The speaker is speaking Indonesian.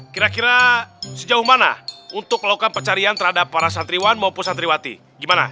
kira kira sejauh mana untuk melakukan pencarian terhadap para santriwan maupun santriwati gimana